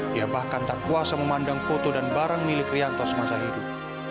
dia bahkan tak kuasa memandang foto dan barang milik rianto semasa hidup